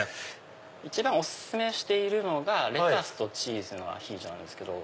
一番お薦めしているのがレタスとチーズのアヒージョです。